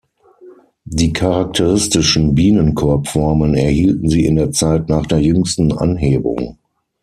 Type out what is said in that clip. Die charakteristischen "Bienenkorb"-Formen erhielten sie in der Zeit nach der jüngsten Anhebung.